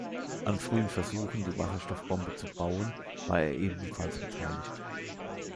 An frühen Versuchen, die Wasserstoffbombe zu bauen, war er ebenfalls beteiligt.